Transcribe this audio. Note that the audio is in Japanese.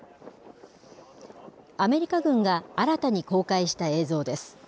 アメリカ軍が新たに公開した映像です。